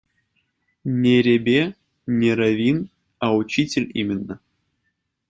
Не ребе, не раввин, а учитель именно.